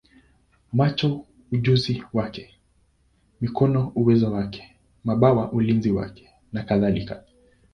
macho ujuzi wake, mikono uwezo wake, mabawa ulinzi wake, nakadhalika.